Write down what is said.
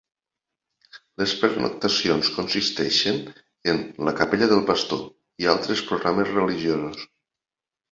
Les pernoctacions consisteixen en "La capella del pastor" i altres programes religiosos.